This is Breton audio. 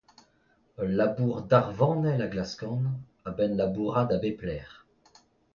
Ul labour darvanel a glaskan a-benn labourat a bep lec'h.